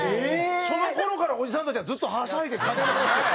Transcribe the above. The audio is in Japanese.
その頃からおじさんたちはずっとハシャいで家電の話してる。